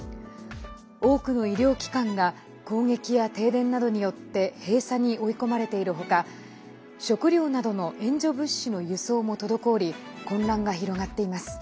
多くの医療機関が攻撃や停電などによって閉鎖に追い込まれている他食糧などの救助物資の輸送も滞り混乱が広がっています。